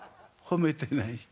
褒めてない。